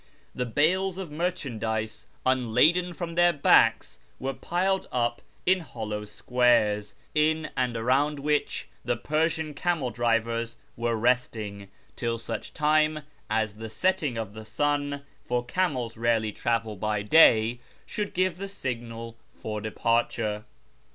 The bales of merchandise, unladen from their backs, were piled up in hollow squares, in and around whicli the Persian camel drivers were resting till such time as the setting of the sun (for camels rarely travel by day) should give the signal for departure.